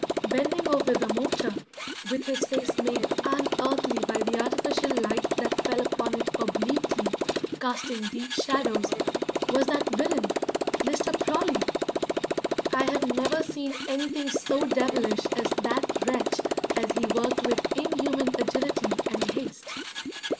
Bending over the motor, with his face made unearthly by the artificial light that fell upon it obliquely, casting deep shadows, was that villain, Mr. Prawley! I have never seen anything so devilish as that wretch as he worked with inhuman agility and haste.